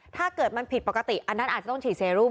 ถ้าเกิดมันผิดปกติอันนั้นอาจจะต้องฉีดเซรูป